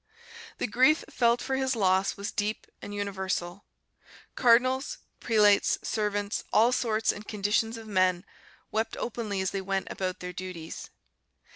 The grief felt for his loss was deep and universal; cardinals, prelates, servants, all sorts and conditions of men, wept openly as they went about their duties.